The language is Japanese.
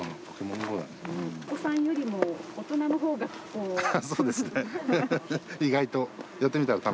お子さんよりも、大人のほうそうですね。